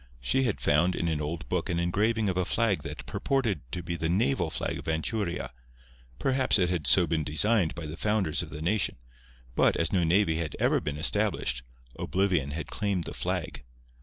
She had found in an old book an engraving of a flag that purported to be the naval flag of Anchuria. Perhaps it had so been designed by the founders of the nation; but, as no navy had ever been established, oblivion had claimed the flag.